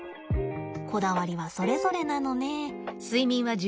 こだわりはそれぞれなのね。